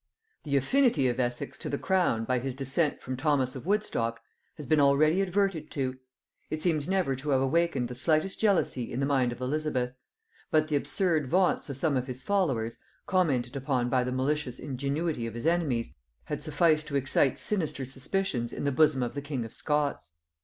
] The affinity of Essex to the crown by his descent from Thomas of Woodstock has been already adverted to; it seems never to have awakened the slightest jealousy in the mind of Elizabeth; but the absurd vaunts of some of his followers, commented upon by the malicious ingenuity of his enemies, had sufficed to excite sinister suspicions in the bosom of the king of Scots.